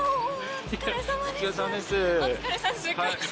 お疲れさまです。